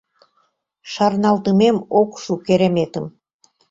Шарналтымем ок шу кереметым!